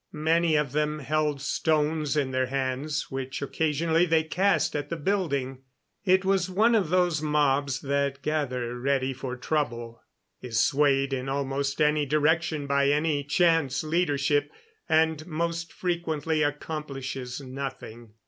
Many of them held stones in their hands, which occasionally they cast at the building. It was one of those mobs that gather ready for trouble, is swayed in almost any direction by any chance leadership, and most frequently accomplishes nothing.